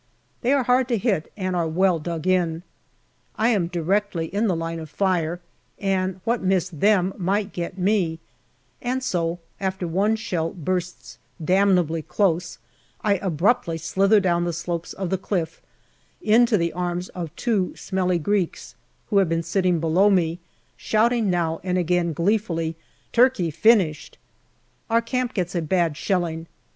They are hard to hit, and are well dug in. I am directly in the line of fire, and what missed them might get me, and so, after one shell bursts damnably close, I abruptly slither down the slopes of the cliff into the arms of two smelly Greeks, who have been sitting below me, shouting now and again gleefully, " Turkey finished !" Our camp gets a bad shelling.